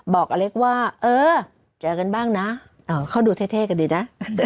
บอกอัลเล็กว่าเจอกันบ้างนะเข้าดูเท่กันดีนะ